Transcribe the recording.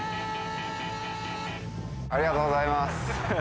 ありがとうございます。